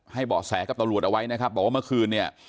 เบาะแสกับตำรวจเอาไว้นะครับบอกว่าเมื่อคืนเนี่ย